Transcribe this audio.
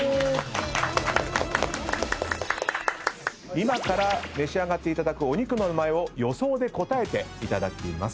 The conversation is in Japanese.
今から召し上がっていただくお肉の名前を予想で答えていただきます。